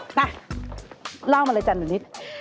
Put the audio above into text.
นะเล่ามาเลยจ้ะหนุนีธ